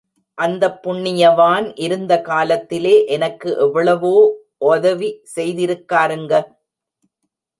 அந்தப் புண்ணியவான் இருந்த காலத்திலே எனக்கு எவ்வளவோ ஒதவி செய்திருக்காருங்க.